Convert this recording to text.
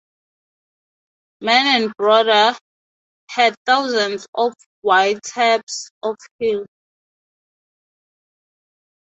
Mann and Broder had "thousands" of wiretaps of Hill.